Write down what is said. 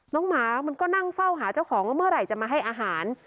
หมามันก็นั่งเฝ้าหาเจ้าของว่าเมื่อไหร่จะมาให้อาหาร